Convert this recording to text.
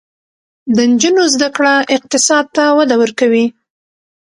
د نجونو زده کړه اقتصاد ته وده ورکوي.